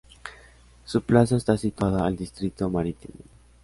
Su plaza está situada al distrito marítimo.